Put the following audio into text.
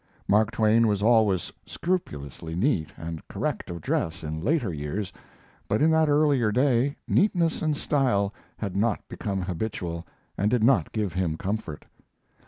Mark Twain was always scrupulously neat and correct of dress in later years, but in that earlier day neatness and style had not become habitual and did not give him comfort.